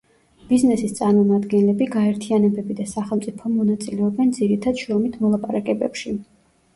ბიზნესის წარმომადგენლები, გაერთიანებები და სახელმწიფო მონაწილეობენ ძირითად შრომით მოლაპარაკებებში.